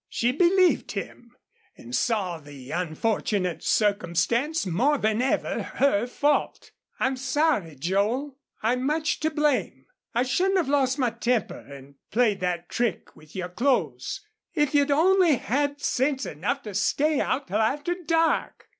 She believed him, and saw the unfortunate circumstance more than ever her fault. "I'm sorry, Joel. I'm much to blame. I shouldn't have lost my temper and played that trick with your clothes.... If you'd only had sense enough to stay out till after dark!